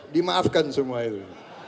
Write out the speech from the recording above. dimaafkan semua itu